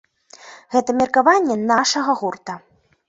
Гэта меркаванне нашага гурта.